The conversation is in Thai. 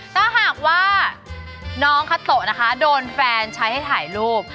ถ้าหากว่าน้องคาโตะนะคะโดนแฟนใช้ให้ถ่ายรูป